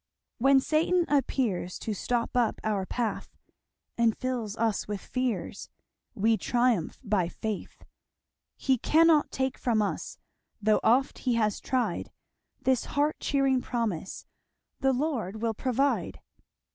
"When Satan appears To stop up our path, And fills us with fears, We triumph by faith. He cannot take from us, Though oft he has tried, This heart cheering promise, 'The Lord will provide.'